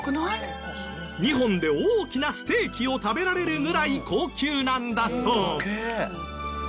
２本で大きなステーキを食べられるぐらい高級なんだそう。